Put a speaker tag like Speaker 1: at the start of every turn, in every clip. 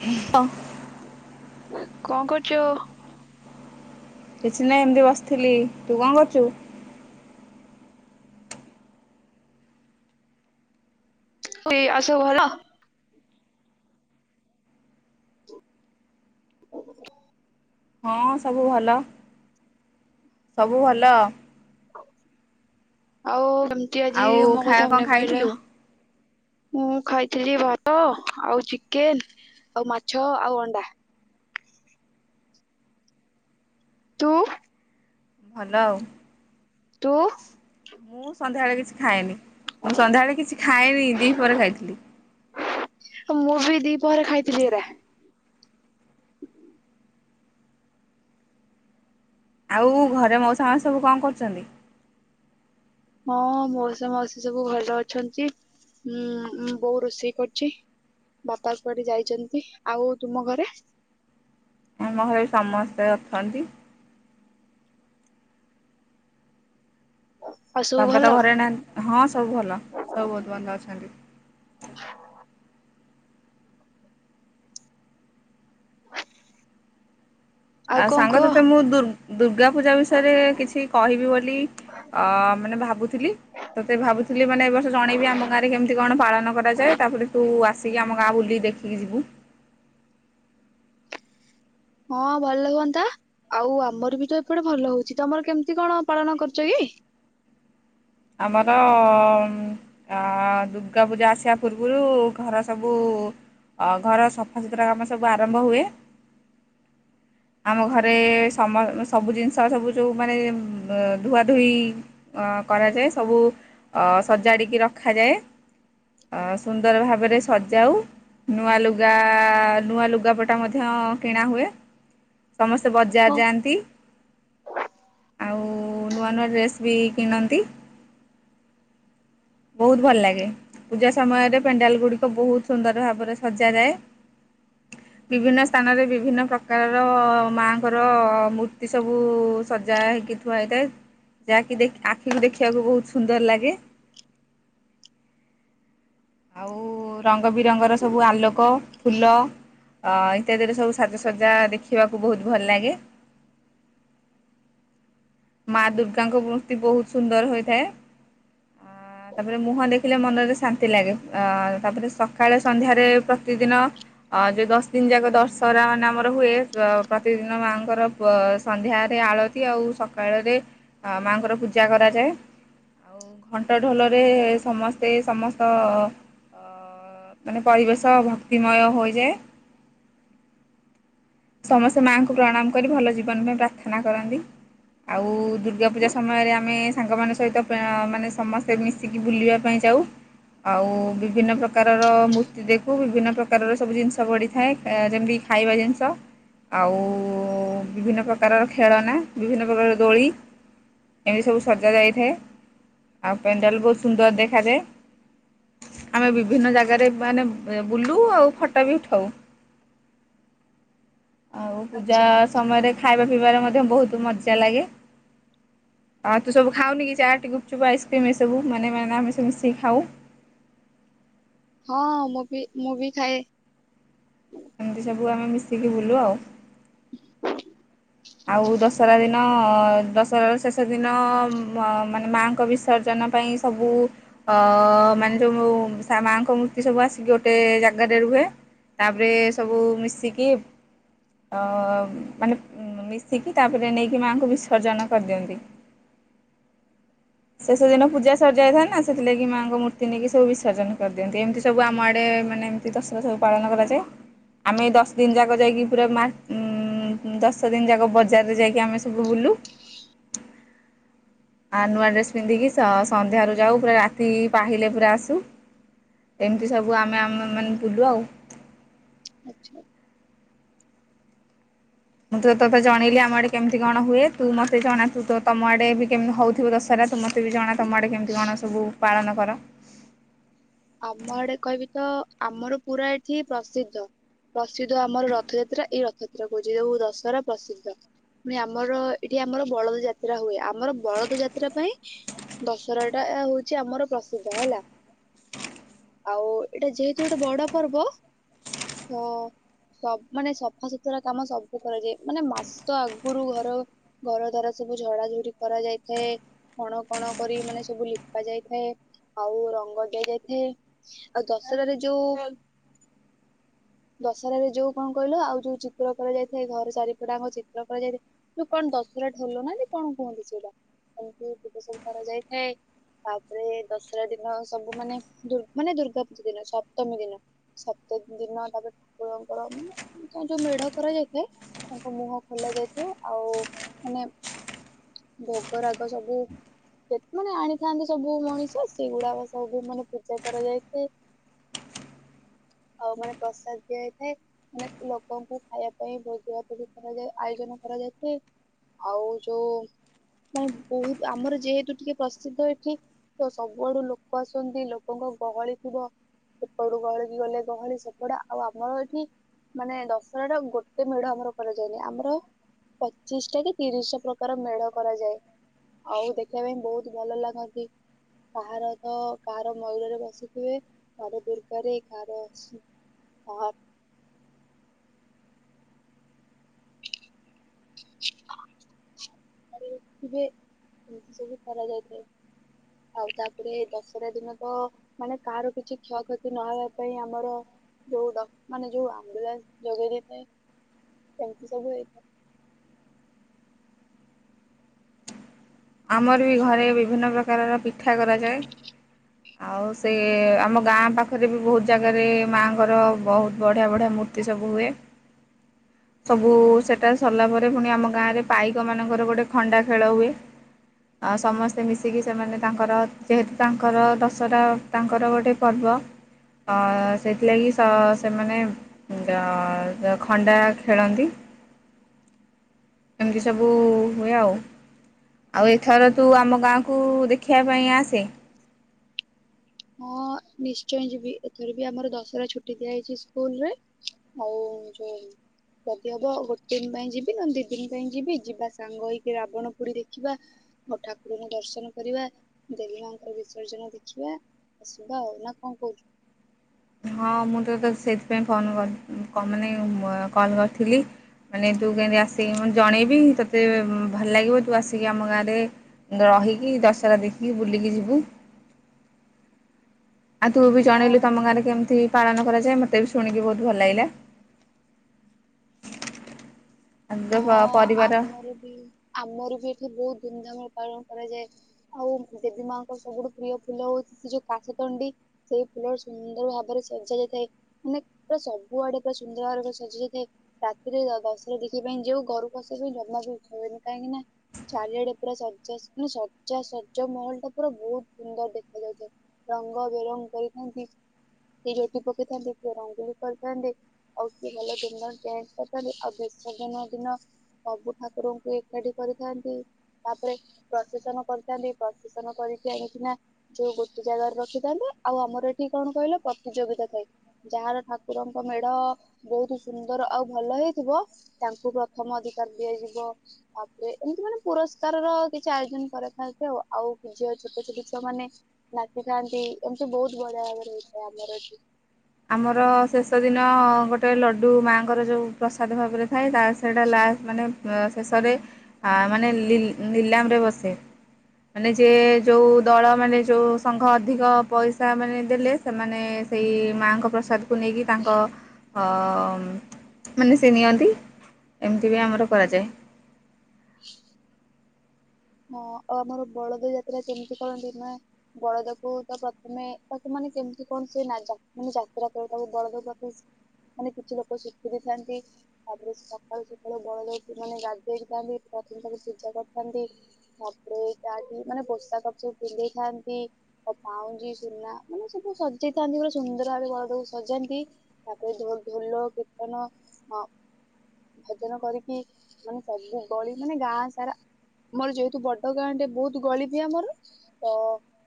Speaker 1: [unintelligible] ହଁ।
Speaker 2: କଣ କରୁଛୁ।
Speaker 1: କିଛି ନାଇ ଏମିତି ବସିଥିଲି ତୁ କଣ କରୁଚୁ।
Speaker 2: ଏ ଆଉ ସବୁ ଭଲ। [unintelligible]
Speaker 1: ହଁ ସବୁ ଭଲ ସବୁ ଭଲ।
Speaker 2: ଆଉ। କେମତି ଆଜି
Speaker 1: ଆଉ
Speaker 2: ମୋ
Speaker 1: ଖା
Speaker 2: କଥା
Speaker 1: କଣ
Speaker 2: ମନେ ପହିଲା
Speaker 1: ଖାଇଥିଲୁ?
Speaker 2: ମୁଁ ଖାଇ। ଚିଲି ଭାତ ଆଉ ଚିକେନ ଆଉ ମାଛ ଆଉ ଅଣ୍ଡା। ତୁ।
Speaker 1: ଭଲ ଆଉ।
Speaker 2: ତୁ
Speaker 1: ମୁଁ ସନ୍ଧ୍ୟାଏଳେ କିଛି। ଖାଏନି ମୁଁ ସନ୍ଧ୍ୟାବେଳେ କିଛି ଖାଏନି ଦି ପହରେ ଖାଇଥିଲି।
Speaker 2: ମୁଁ ବି ଦିପହରେ ଖାଇଥିଲି ଏରା।
Speaker 1: ଆଉ ଘରେ ମଉସା ମାଉଷୀ ସବୁ କଣ କରୁଛନ୍ତି।
Speaker 2: ହଁ ମଉଷା ମାଉସି ସବୁ ଭଲ ଅଛନ୍ତି ଉଁ ଉଁ ବୋଉ ରୋଷେଇ କରୁଛି ବାପା କୁଆଡେ ଯାଇଛନ୍ତି ଆଉ ତୁମ ଘରେ।
Speaker 1: ଆମ ଘରେ ସମସ୍ତେ ଅଛନ୍ତି।
Speaker 2: ଆଉ ସବୁ
Speaker 1: ବାପା ତ
Speaker 2: ଭଲ
Speaker 1: ଘରେ ନାହାନ ହଁ ସବୁ ଭଲ ସବୁ ବହୁତ ଭଲ ଅଛନ୍ତି। ଆଉ
Speaker 2: କଣ
Speaker 1: ସାଙ୍ଗ
Speaker 2: କୁହ
Speaker 1: ତତେ ମୁଁ ଦୁର ଦୁର୍ଗା ପୂଜା ବିଷୟରେ କିଛି କହିବି ବୋଲି ଅ ମାନେ ଭାବ ଭାବୁଥିଲି ତତେ ଭାବୁଥିଲି ମାନେ ଏ ବର୍ଷ ଜଣେଇବି ଆମ ଗାଁରେ କେମିତି କଣ ପାଳନ କରାଯାଏ ତାପରେ ତୁ ଆସିକି ଆମ ଗାଁ ବୁଲିକ ଦେଖିକି ଯିବୁ।
Speaker 2: ହଁ ଭଲ ହୁଅନ୍ତା ଆଉ ଆମର ବି ତ ଏପଟେ ଭଲ ହଉଛି ତମର କେମିତି କଣ ପାଳନ କରୁଛ କି?
Speaker 1: ଆମର ଦୁର୍ଗା ପୂଜା ଆସିବା ପୂର୍ବରୁ ଘର ସବୁ ଘର ସଫାସୁତୁରା କାମ ସବୁ ଆରମ୍ଭ ହୁଏ ଆମ ଘରେ ସବୁ ଜିନିଷ ସବୁ ଯେଉଁ ମାନେ ଧୁଆ ଧୋଇ କରାଯାଏ ସବୁ ସଜାଡ଼ିକି ରଖାଯାଏ ସୁନ୍ଦର ଭାବରେ ସଜାଉ ନୂଆ ଲୁଗା ନୂଆ ଲୁଗାପଟା ମଧ୍ୟ କି ଣା ହୁଏ। ସମସ୍ତେ ବଜାର
Speaker 2: ହଁ
Speaker 1: ଯାଆନ୍ତି ଆଉ ନୂଆ ନୂଆ ଡ୍ରେସ୍ କେ କେନ ନ୍ତି। ବହୁତ ଭଲ ଲାଗେ ପୂଜା ସମୟରେ ପେଣ୍ଡାଲ ଗୁଡିକ ବହୁତ ସୁନ୍ଦର ଭାବରେ ସଜାଯାଏ ବିଭିନ୍ନ ସ୍ଥାନରେ ବିଭିନ୍ନ ପ୍ରକାରର ମାଙ୍କର ମୂର୍ତ୍ତି ସବୁ ସଜା ହେଇକି ଥୁଆ ହେଇଥାଏ ଯାହାକି ଆଖିକୁ ଦେଖିବାକୁ ବହୁତ ସୁନ୍ଦର ଲାଗେ। ଆଉ ରଙ୍ଗ ବିରଙ୍ଗର ସବୁ ଆଲୋକ ଫୁଲ ଅ ଇତ୍ୟାଦିର ସବୁ ସାଜସଜା ଦେଖିବାକୁ ବହୁତ ଭଲ ଲାଗେ ମା ଦୁର୍ଗାଙ୍କ ମୂର୍ତ୍ତି ବହୁତ ସୁନ୍ଦର ହୋଇଥାଏ ଅ ତାପରେ ମୁହଁ ଦେଖିଲେ ମନରେ ଶାନ୍ତି ଲାଗେ। ତାପରେ ସକାଳେ ସନ୍ଧ୍ୟାରେ ପ୍ରତିଦିନ ଯେଉଁ ଦଶ ଦିନ ଯାକ ଦଶହରା ମାନେ ଆମର ହୁଏ ପ୍ରତିଦିନ ମାଆଙ୍କର ସନ୍ଧ୍ୟାରେ ଆଳତି ଆଉ ସକାଳରେ ମାଙ୍କର ପୂଜା କରାଯାଏ ଆଉ ଘଣ୍ଟ ଢୋଲରେ ସମସ୍ତେ ସମସ୍ତ ଅ ମାନେ ପରିବେଶ ଭକ୍ତିମୟ ହୋଇଯାଏ ସମସ୍ତେ ମାଙ୍କୁ ପ୍ରଣାମ କରି ଭଲ ଜୀବନ ପାଇଁ ପ୍ରାର୍ଥନା କରନ୍ତି ଆଉ ଦୁର୍ଗା ପୂଜା ସମୟରେ ଆମେ ସାଙ୍ଗ ମାନଙ୍କ ସହିତ ମାନେ ସମସ୍ତେ ମିଶିକି ବୁଲିବା ପାଇଁ ଯାଉ ଆଉ। ବିଭିନ୍ନ ପ୍ରକାରର ମୂର୍ତ୍ତି ଦେଖୁ ବିଭିନ୍ନ ପ୍ରକାରର ସବୁ ଜିନିଷ ପଡ଼ିଥାଏ ଯେମିତି ଖାଇବା ଜିନିଷ ଆଉ ବିଭିନ୍ନ ପ୍ରକାରର ଖେଳନା ବିଭିନ୍ନ ପ୍ରକାର ଦୋଳି ଏମିତି ସବୁ ସଜା ଯାଇଥାଏ ଆଉ ପେଣ୍ଡାଲ ବହୁତ ସୁନ୍ଦର ଦେଖାଯାଏ। ଆମେ ବିଭିନ୍ନ ଜାଗାରେ ମାନେ ବୁଲୁ ଆଉ ଫଟୋ ବି ଉଠାଉ। ଆଉ ପୂଜା
Speaker 2: ଆଚ୍ଛା
Speaker 1: ସମୟରେ ଖାଇବା ପିଇବାରେ ମତେ ମଧ୍ୟ ବହୁତ ମଜା ଲାଗେ ଆଉ ତୁ ସବୁ ଖାଉନି କି ଚାଟ୍ ଗୁପଚୁପ୍ ଆଇସ୍କ୍ରିମ୍ ଏସବୁ ମାନେ ମାନେ ଆମେ ସବୁ ମିଶିକି ଖାଉ।
Speaker 2: ହଁ ମୁଁ ବି ମୁଁ ବି ଖାଏ।
Speaker 1: ଏମତି ସବୁ ଆମେ ମିଶିକି ବୁଲୁ ଆଉ। ଆଉ ଦଶହରା ଦିନ ଦଶହରାର ଶେଷ ଦିନ ମାନେ ମାଙ୍କ ବିସର୍ଜନ ପାଇଁ ସବୁ ମାନେ ଯୋଉ ମାଆଙ୍କ ମୂର୍ତ୍ତି ସବୁ ଆସିକି ଗୋଟେ ଜାଗାରେ ରୁହେ ତାପରେ ସବୁ ମିଶିକି ମାନେ ଆସିକି ତାପରେ ନେଇକି ମାଆଙ୍କୁ ବିସର୍ଜନ କରିଦିଅନ୍ତି ଶେଷ ଦିନ ପୂଜା ସର୍ଯାଇଥାଏ ନା ସେଥିଲାଗି ମାଆଙ୍କ ମୂର୍ତ୍ତି ନେଇକି ସବୁ ବିସର୍ଜନ କରିଦିଅନ୍ତି ଏମିତି ସବୁ ଆମ ଆଡେ ମାନେ ଏମତି ଦଶର ସବୁ ପାଳନ କରାଯାଏ ଆମେ ଦଶ ଦିନ ଯା ଯାଇକି ପୁରା ଦଶ ଦିନ ଯାକ। ବଜାରରେ ଯାଇକି ଆମେ ସବୁ ବୁଲୁ ଆ ନୂଆ ଡ୍ରେସ୍ ପିନ୍ଧିକି ସନ୍ଧ୍ୟାରୁ ଯାଉ ପୁରା ରାତି ପାହିଲେ ପୁରା ଆସୁ ଏମିତି ସବୁ ଆମେ ଆମେ ମାନେ ବୁଲୁ ଆଉ।
Speaker 2: ଆଛା।
Speaker 1: ମୁଁ ତ ତୋତେ ଜଣେଇଲି ଆମ ଆଡେ କେମିତି କଣ ହୁଏ ତୁ ମତେ ଜଣା ତମ ଆଡେ ବି କେମତି ହଉଥିବ ଦଶହରା ତୁ ମତେ ବି ଜଣା ତମ ଆଡେ କେମିତି କଣ ସବୁ ପାଳନ କର?
Speaker 2: ଆମ ଆଡେ କହିବି ତ ଆମର ପୁରା ଏଠି ପ୍ରସିଦ୍ଧ ପ୍ରସିଦ୍ଧ ଆମର ରଥଯାତ୍ରା ଏଇ ରଥଯାତ୍ରା କହୁଛି ଯଉ ଦଶହରା ପ୍ରସିଦ୍ଧ ପୁଣି ଆମର ଏଠି ଆମର ବଳଦ ଯାତ୍ରା ହୁଏ ଆମର ବଳଦ ଯାତ୍ରା ପାଇଁ ଦଶହରା ଟା ହଉଛି ଆମର ପ୍ରସିଦ୍ଧ ହେଲା। ଆଉ ଏଇଟା ଯେହେତୁ ଗୋଟେ ବଡ ପର୍ବ ତ ସବ ମାନେ ସଫା ସୁୁତୁରା କାମ ସବୁ କରାଯାଏ ମାନେ ମାସ ଆଗରୁ ଘର ଘର ଦ୍ଵାରା ସବୁ ଝଡାଝଡି କରାଯାଇଥାଏ ଖଣ କଣ କରି ମାନେ ସବୁ ଲିପା ଯାଇଥାଏ ଆଉ ରଙ୍ଗ ଦିଆ ଯାଇଥାଏ। ଆଉ ଦଶହରାରେ ଯୋଉ ଦଶହରାରେ ଯୋଉ କଣ କହିଲ ଆଉ ଯୋଉ ଚିତ୍ର କରାଯାଇଥାଏ ଘରେ ଚାରିପଟାଙ୍କ ଚିତ୍ର କରାଯାଇଥାଏ ଯଉ କଣ ଦଶହରା ଲ ନା କଣ କୁହନ୍ତି ସେଇଟା ଏମିତି ପବେ ସବୁ କରାଯାଇଥାଏ ତାପରେ ଦଶହରା ଦିନ ସବୁ ମାନେ ମାନେ ଦୁର୍ଗା ପୂଜା ଦିନ ସପ୍ତମୀ ଦିନ ସପ୍ତମୀ ଦିନ ତାପରେ ଠାକୁରଙ୍କର ମାନେ ତାଙ୍କ ଯୋଉ ମେଢ କରାଯାଇଥାଏ ତାଙ୍କ ମୁହଁ ଖୋଲା ଯାଇଥାଏ ଆଉ ମାନେ ଭୋଗ ରାାଗ ସବୁେ ମାନେ ଆଣିଥାନ୍ତି ସବୁ ମଣିଷ ସେଇଗୁଡାକ ସବୁ ମାନେ ପୂଜା କରାଯାଇଥାଏ ଆଉ ମାନେ ପ୍ରସାଦ ଦିଆଯାଇଥାଏ ମାନେ ଲୋକଙ୍କୁ ଖାଇବା ପାଇଁ ଭଜାତଜି କରାଯାଏ ଆୟୋଜନ କରାଯାଇଥାଏ ଆଉ ଯୋଉ ମାନେ ବହୁତ ଆମର ଯେହେତୁ ଟିକେ ପ୍ରସିଦ୍ଧ ଏଠି ତ ସବୁଆଡୁ ଲୋକ ଆସନ୍ତି। ଲୋକଙ୍କ ଗହଳି ଥିବ ସେପଟୁ ଗହଳି କି ଗଲେ ଗହଳି ସେପଡ ଆଉ ଆମର ଏଠି ମାନେ ଦଶହରାଟ ଗୋଟେ ମେଢ ଆମର କରାଯାଏନି ଆମର ପଚିଶ ଟା କି ତିରିଶଟା ପ୍ରକାର ମେଢ କରାଯାଏ ଆଉ ଦେଖିବା ପାଇଁ ବହୁତ ଭଲ ଲାଗନ୍ତି କାହାର ତ କାହାର ମୟୂରରେ ବସିଥିବେ [inaudible] ଆଡ ଏମିତି ସବୁ କରାଯାଇଥାଏ ଆଉ ତାପରେ ଦଶହରା ଦିନ ତ ମାନେ କାହାର କିଛି କ୍ଷୟକ୍ଷତି ନହବା ପାଇଁ ଆମର ଯୋଉ ମାନେ ଯୋଉ ଆମ୍ବୁଲାନ୍ସ ଯୋଗେଇ ଦେଇଥାଏ ସେମିତି ସବୁ ହେଇଥାଏ।
Speaker 1: ଆମର ବି ଘରେ ବିଭିନ୍ନ ପ୍ରକାରର ପିଠା କରାଯାଏ ଆଉ ସେ ଆମ ଗାଁ ପାଖରେ ବି ବହୁତ ଜାଗାରେ ମାଆଙ୍କର ବହୁତ ବଢିଆ ବଢିଆ ମୂର୍ତ୍ତି ସବୁ ହୁଏ ସବୁ ସେଟା ସରିଲା ପରେ ପୁଣି ଆମ ଗାଁରେ ପାଇକ ମାନଙ୍କର ଗୋଟେ ଖଣ୍ଡା ଖେଳ ହୁଏ। ଆ ସମସ୍ତେ ମିଶିକି ସେମାନେ ତାଙ୍କର ଯେହେତୁ ତାଙ୍କର ଦଶହରା ତାଙ୍କର ଗୋଟେ ପର୍ବ ସେଥିଲାଗି ସେମାନେ ଖଣ୍ଡା ଖେଳନ୍ତି ଏମିତି ସବୁ ହୁଏ ଆଉ। ଆଉ ଏଥର ତୁ ଆମ ଗାଁକୁ ଦେଖିବା ପାଇଁ ଆସେ।
Speaker 2: ହଁ ନିଶ୍ଚୟ ଯିବି ଏଥର ବି ଆମର ଦଶହରା ଛୁଟି ଦିଆଯାଇଛି ସ୍କୁଲ ରେ ଆଉ ଯୋଉ ଯଦି ହବ ଗୋଟେ ଦିନ ପାଇଁ ଯିବି ଦି ଦିନ ପାଇଁ ଯିବି ଯିବା ସାଙ୍ଗ ହେଇକି ରାବଣ ପୋଡି ଦେଖିବା ଆୋ ଠାକୁରଙ୍କୁ ଦର୍ଶନ କରିବା ଦେବୀ ମାଙ୍କର ବିସର୍ଜନ ଦେଖିବା। ଅସୁବିଧା ହଉ ନା କଣ କହୁଛୁ।
Speaker 1: ହଁ ମୁଁ ତ ସେଇଥିପାଇଁ ଫୋନ ମାନେ କଲ୍ କରିଥିଲି ମାନେ ତୁ କେମିତି ଆସିକି ଜଣେଇବି ତୋତେ ଭଲ ଲାଗିବ ତୁ ଆସିକି ଆମ ଗାଁରେ ରହିକି ଦଶହରା ଦେଖିକି ବୁଲିକି ଯିବୁ। ଆଉ ତୁ ବି
Speaker 2: ହଁ।
Speaker 1: ଜଣେଇଲୁ ତମ ଗାଁରେ କେମିତି? ପାଳନ କରାଯାଏ ମତେ ବି ଶୁଣିକି ବହୁତ ଭଲ ଲାଗିଲା।
Speaker 2: ହଁ
Speaker 1: ଆ ପରିବାର
Speaker 2: ଆମର ବି ଆମର ବି ଏଠି ବହୁତ ଧୁମଧାମରେ ପାଳନ କରାଯାଏ ଆଉ ଦେବୀ ମାଙ୍କ ସବୁଠୁ ପ୍ରିୟ ଫୁଲ ହଉଛି ସେ ଯୋଉ କାଶ ତଣ୍ଡି ସେଇ ଫୁଲ ସୁନ୍ଦର ଭାବରେ ସଜା ଯାଇଥାଏ ମାନେ ପୁରା ସବୁଆଡେ ପୁରା ସୁନ୍ଦର ଭାବରେ ସଜା ଯାଇଥାଏ ରାତିରେ ଦଶରା ଦ ସେଥିପାଇଁ ଯୋଉ ଘରୁ ପସ ଜମା ବି ହୁଏନି କାହିଁକି ନା ଚାରିଆଡେ ପୁରା ସଜା ମେ ସଜା ସଜ ମହଲ ଟା ପୁରା ବହୁତ ସୁନ୍ଦର ଦେଖାଯାଉଥାଏ ରଙ୍ଗ ବେରଙ୍ଗ କରିଥାନ୍ତି ସେ ଝୋଟି ପକେଇଥାନ୍ତି ସ ରଙ୍ଗ ବି କରିଥାନ୍ତି ଆଉ କିଏ ଭଲ ସୁନ୍ଦର ପଣ୍ଟ କରିଥାନ୍ତି ଆଉ। ବିସର୍ଜନ ଦିନ ସବୁ ଠାକୁରଙ୍କୁ ଏକାଠି କରିଥାନ୍ତି ତାପରେ ପ୍ରଶେସନ କରିଥାନ୍ତି ପ୍ରଶସନ କରିକି ଆଣିକିନା ଯୋଉ ଗୋଟେ ଜାଗାରେ ରଖିଥାନ୍ତେ ଆଉ ଆମର ଏଠି କଣ କହିଲ ପ୍ରତିଯୋଗିତା ଥାଏ ଯାହାର ଠାକୁରଙ୍କ ମେଢ ବହୁତ ସୁନ୍ଦର ଆଉ ଭଲ ହେଇଥିବ। ତାଙ୍କୁ ପ୍ରଥମ ଅଧିକାର ଦିଆଯିବ ତାପରେ ଏମିତି ମାନେ ପୁରସ୍କାର ର କିଛି ଆୟୋଜନ କରିଥାନ୍ତି ଆଉ ଆଉ ଝିଅ ଛୋଟ ଛୋଟ ଛୁଅ ମାନେ ନାଚିଥାନ୍ତି ଏମିତି ବହୁତ ବଢିଆ ଭାବରେ ହେଇଥାଏ ଆମର ଏଠି।
Speaker 1: ଆମର ଶେଷ ଦିନ ଗୋଟେ ଲଡୁ ମାଆଙ୍କର ଯୋଉ ପ୍ରସାଦ ଭାବରେ ଥାଏ ତା ସେଇଟା ଲାଷ୍ଟ ମାନେ। ଶେଷରେ ମାନେ ନିଲ ନିଲାମରେ ବସେ ମାନେ ଯେ ଯୋଉ ଦଳ ମାନେ ଯୋଉ ସଂଘ ଅଧିକ ପଇସା ମାନେ ଦେଲେ ସେମାନେ ସେଇ। ମାଆଙ୍କ ପ୍ରସାଦ। କୁ ନେଇକି ତାଙ୍କ। ହଁ-ଅ-ଅ ମାନେ ସେ ନିଅନ୍ତି ଏମିତି ବି ଆମର କରାଯାଏ।
Speaker 2: [inaudible] ହ ଆଉ ଆମର ବଳଦ ଯାତ୍ରା କେମିତି କରନ୍ତି ନା ବଳଦକୁ ତ ପ୍ରଥମେ ତାକୁ ମାନେ କେମତି କଣ ସେ ମାନେ ଯା ଯାତ୍ରା କରିବ ତାକୁ ବଳଦ ପାଖ ମାନେ କିଛି ଲୋକ ଶିଖି ଦେଇଥାନ୍ତି ତାପରେ ସକାଳୁ ସକାଳୁ ବଳଦକୁ ମାନେ ଗାଧେଇଥାନ୍ତି ତାପରେ ତାକୁ ପୂଜା କରିଥାନ୍ତି। ତାପରେ ତାଠି ମାନେ ପୋଷାକ ସବୁ ପିନ୍ଧେଇଥାନ୍ତି ଆଉ ପାଉଁଜି ସୁନା ମାନେ ସବୁ ସଜେଇଥାନ୍ତି ପୁରା ସୁନ୍ଦର ଭାବେ ବଳଦକୁ ସଜାନ୍ତି ତାପରେ ଢୋଲ କୀର୍ତ୍ତନ ଅ ଭଜନ କରିକି ମାନେ ସବୁ ଗଳି ମାନେ ଗାଁ ସାରା ଆମର ଯ ତୁ ବଡ ଗାଁଟେ ବହୁତ ଗଳିିବି ଆମର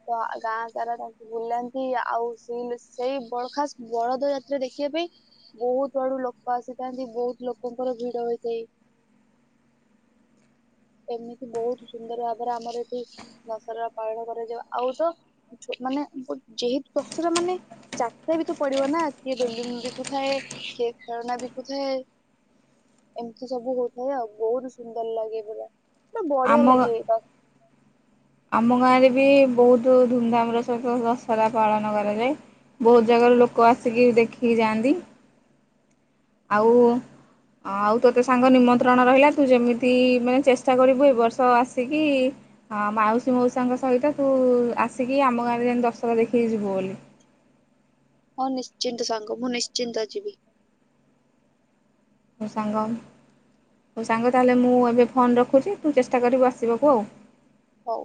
Speaker 2: ତ ଗାଁ ସାରା ତାଙ୍କୁ ବୁଲାନ୍ତି ଆଉ ସେ ସେଇ ବଳ ଖାସ ବଳଦ ଯାତ୍ରା ଦେଖିବା ପାଇଁ ବହୁତ ଆଡୁ ଲୋକ ଆସିଥାନ୍ତି ବହୁତ ଲୋକଙ୍କର ଭିଡ ହୋଇଥାଏ ଏମିତି ବହୁତ। ସୁନ୍ଦର ଭାବରେ ଆମର ଏଠି ଦଶହରା ପାଳନ କରାଯାଉ ଆଉ ତ ମାନେ ଯେହେତୁ ଦଶହରା ମାନେ ଯାତ୍ରା ବି ତ ପଡିବ ନା କିଏ ବେଲୁନ ବିକୁଥାଏ କିଏ ଖେଳନା ବିକୁଥାଏ ଏମିତି ସବୁ ହଉଥାଏ ଆଉ ବହୁତ ସୁନ୍ଦର ଲାଗେ ପୁରା। ପୁରା ବଢିଆ
Speaker 1: ଆମ।
Speaker 2: ଲାଗେ
Speaker 1: ଆମ ଗାଁରେ ବି ବହୁତ ଧୁମଧାମ ର ସବୁ ଦଶହରା ପାଳନ କରାଯାଏ ବହୁତ ଜାଗାରୁ ଲୋକ ଆସିକି ଦେଖିକି ଯାଆନ୍ତି। ଆଉ ଆଉ ତୋତେ ସାଙ୍ଗ ନିମନ୍ତ୍ରଣ ରହିଲା ତୁ ଯେମିତି ମାନେ ଚେଷ୍ଟା କରିବୁ ଏ ବର୍ଷ ଆସିକି ଅ ମାଉସୀ ମାଉସୀଙ୍କ ସହିତ ତୁ ଆସିକି ଆମ ଗାଁରେ ଯେମିତି ଦଶହରା ଦେଖିକି ଯିବୁ ବୋଲି।
Speaker 2: ହଁ ନିଶ୍ଚିନ୍ତ ସାଙ୍ଗ ମୁଁ ନିଶ୍ଚିନ୍ତ ଯିବି।
Speaker 1: ହଉ ସାଙ୍ଗ ହଉ ସାଙ୍ଗ ତାହେଲେ ମୁଁ ଏବେ ଫୋନ୍ ରଖୁଛି ତୁ ଚେଷ୍ଟା କରିବୁ ଆସିବାକୁ ଆଉ।
Speaker 2: ହଉ।